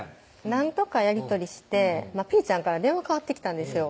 何度かやり取りしてぴーちゃんから電話かかってきたんですよ